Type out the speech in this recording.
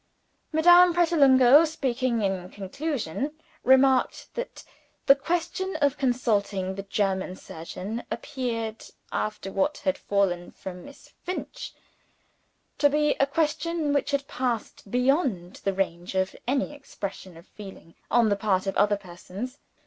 Madame Pratolungo, speaking in conclusion, remarked: That the question of consulting the German surgeon appeared (after what had fallen from Miss Finch) to be a question which had passed beyond the range of any expression of feeling on the part of other persons.